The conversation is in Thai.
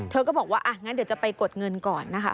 เธอก็บอกว่าอ่ะงั้นเดี๋ยวจะไปกดเงินก่อนนะคะ